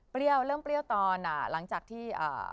เปรี้ยวเริ่มเปรี้ยวตอนหลังจากที่